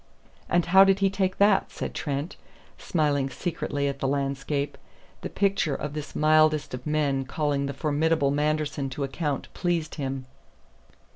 "And how did he take that?" said Trent, smiling secretly at the landscape. The picture of this mildest of men calling the formidable Manderson to account pleased him.